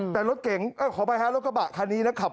แต่รถเก่งขออภัยฮะรถกระบะคันนี้นะครับ